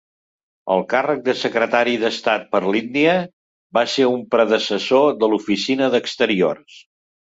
El càrrec de Secretari d'Estat per l'Índia va ser un predecessor de l'Oficina d'Exteriors.